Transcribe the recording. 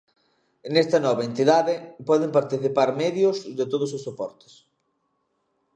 Nesta nova entidade poden participar medios de todos os soportes.